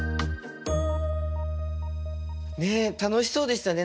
ね楽しそうでしたね